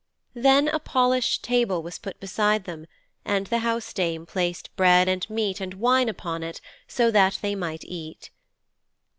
Then a polished table was put beside them, and the housedame placed bread and meat and wine upon it so that they might eat.